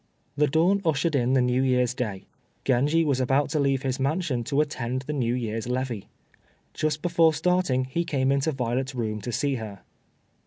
The dawn ushered in the New Year's day. Genji was about to leave his mansion to attend the New Year's levée. Just before starting, he came into Violet's room to see her.